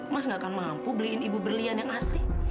mas gak akan mampu beliin ibu berlian yang asli